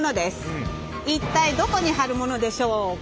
一体どこに貼るものでしょうか？